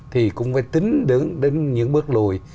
thì cũng phải tính đến những bước lùi